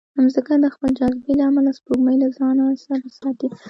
مځکه د خپل جاذبې له امله سپوږمۍ له ځانه سره ساتي.